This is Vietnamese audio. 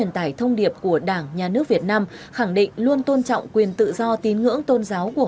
tải thông điệp của đảng nhà nước việt nam khẳng định luôn tôn trọng quyền tự do tín ngưỡng tôn giáo của